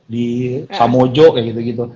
di samojo kayak gitu gitu